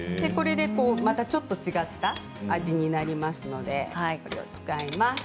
またちょっと違った味になりますのでこれを使います。